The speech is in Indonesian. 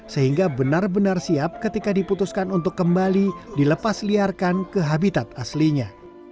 sehingga benar benar siap ketika diputuskan untuk kembali dilepas liarkan ke habitat aslinya